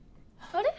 あれ！